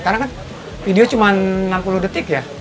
karena kan video cuma enam puluh detik ya